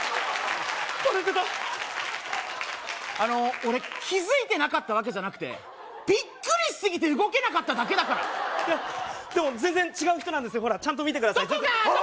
バレてたあの俺気づいてなかったわけじゃなくてビックリしすぎて動けなかっただけだからでも全然違う人なんですよほらちゃんと見てください